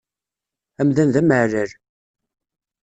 Amdan d ameεlal.